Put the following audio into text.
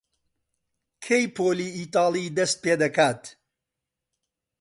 کەی پۆلی ئیتاڵی دەست پێ دەکات؟